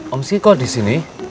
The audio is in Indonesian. om sih kok disini